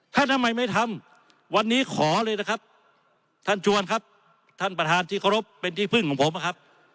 ทำไมไม่ทำวันนี้ขอเลยนะครับท่านชวนครับท่านประธานที่เคารพเป็นที่พึ่งของผมนะครับ